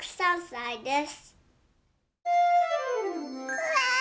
うわ！